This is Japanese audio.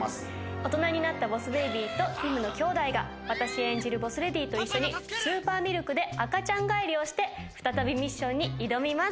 大人になったボス・ベイビーとティムの兄弟が私が演じるボス・レディと一緒にスーパーミルクで赤ちゃんがえりをして、再びミッションに挑みます。